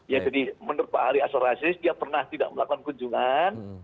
ya jadi menurut pak hari asar asis dia pernah tidak melakukan kunjungan